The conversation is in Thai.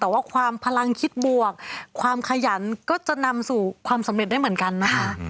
แต่ว่าความพลังคิดบวกความขยันก็จะนำสู่ความสำเร็จได้เหมือนกันนะคะ